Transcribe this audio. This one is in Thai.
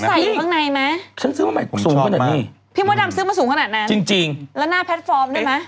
พี่โมดังซึกมาสูงขนาดนั้นแล้วหน้าแพลตฟอร์มด้วยไหม